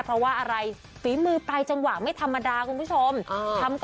เพราะว่าอะไรฝีมือปลายจังหวะไม่ธรรมดาคุณผู้ชม